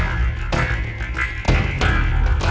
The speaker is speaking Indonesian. aku mencintaiu dewata